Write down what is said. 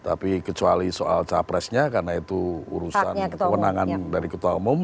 tapi kecuali soal capresnya karena itu urusan kewenangan dari ketua umum